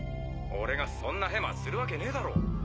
俺がそんなヘマするわけねえだろ？